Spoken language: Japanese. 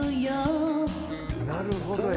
なるほどや。